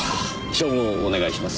照合をお願いします。